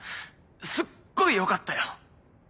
すっごいよかったよ。